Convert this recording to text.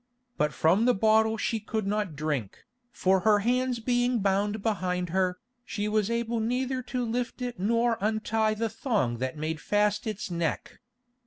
But from the bottle she could not drink, for her hands being bound behind her, she was able neither to lift it nor to untie the thong that made fast its neck.